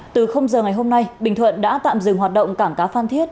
từ giờ ngày hôm nay bình thuận đã tạm dừng hoạt động cảng cá phan thiết